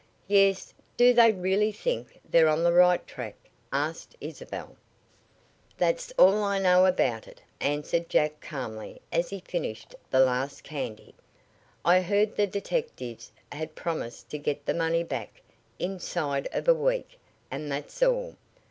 "Yes. Do they really think they're on the right track?" asked Isabel. "That's all I know about it," answered Jack calmly as he finished the last candy. "I heard the detectives had promised to get the money back inside of a week, and that's all.